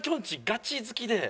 ガチ好きで。